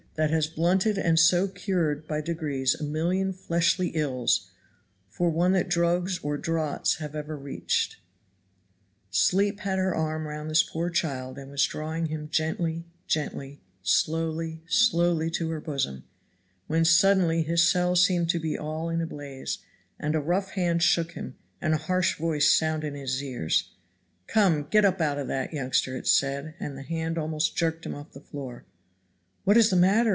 that has blunted and so cured by degrees a million fleshly ills for one that drugs or draughts have ever reached sleep had her arm round this poor child and was drawing him gently, gently, slowly, slowly to her bosom when suddenly his cell seemed to him to be all in a blaze, and a rough hand shook him, and a harsh voice sounded in his ear. "Come, get up out of that, youngster," it said, and the hand almost jerked him off the floor. "What is the matter?"